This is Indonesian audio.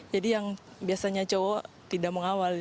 yang biasanya cowok tidak mengawal